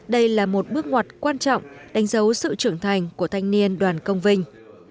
đây là một bước ngoặt quan trọng đánh dấu sự trưởng thành của thanh niên đoàn công vinh